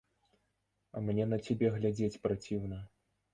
Мне на цябе глядзець праціўна.